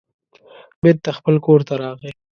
بېرته خپل کور ته راغی.